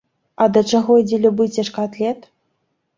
А да чаго ідзе любы цяжкаатлет?